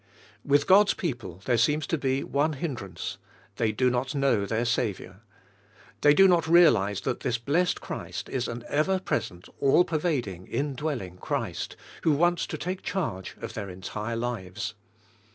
With God's people, there seems to be one hin drance, they do not know their Saviour, They do not realize that this blessed Christ is an ever present, all pervading, in dwelling Christ, who wants to take charge of their entire lives.